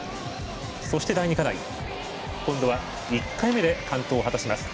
そして、第２課題今度は１回目で完登を果たします。